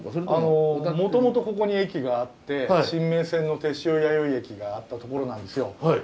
もともとここに駅があって深名線の天塩弥生駅があった所なんですよ。